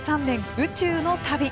宇宙の旅。